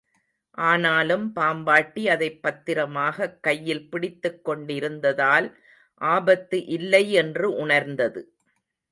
ஆனாலும், பாம்பாட்டி அதைப் பத்திரமாகக் கையில் பிடித்துக் கொண்டிருந்ததால், ஆபத்து இல்லை என்று உணர்ந்தது.